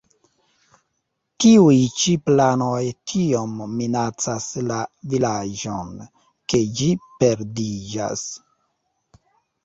Tiuj ĉi planoj tiom minacas la vilaĝon, ke ĝi perdiĝas.